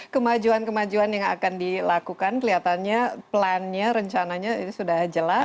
kemajuan kemajuan yang akan dilakukan kelihatannya plannya rencananya sudah jelas